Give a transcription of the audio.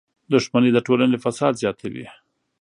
• دښمني د ټولنې فساد زیاتوي.